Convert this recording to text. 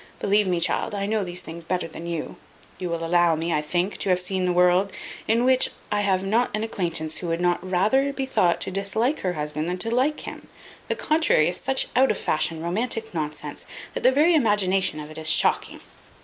Believe me, child, I know these things better than you. You will allow me, I think, to have seen the world, in which I have not an acquaintance who would not rather be thought to dislike her husband than to like him. The contrary is such out of fashion romantic nonsense, that the very imagination of it is shocking."